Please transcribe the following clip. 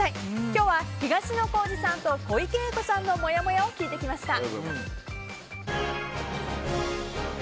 今日は東野幸治さんと小池栄子さんのもやもやを聞いてきました。